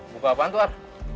buku apaan tuar